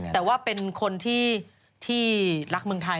แต่ว่าเป็นคนที่รักเมืองไทย